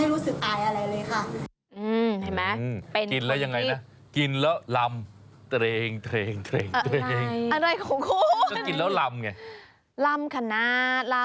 อยากได้แบบมันเป็นอะไรที่แบบหายเครียดเลยจากการทำงาน